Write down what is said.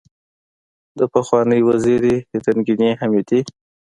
دپخوانۍ وزیرې رنګینې حمیدې